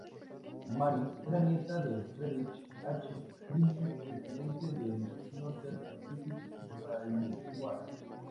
Mary era nieta de Frederick H. Billings, presidente del Northern Pacific Railway.